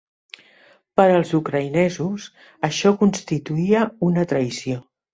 Per als ucraïnesos això constituïa una traïció.